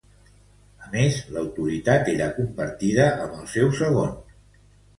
A més, l'autoritat era compartida amb el seu segon.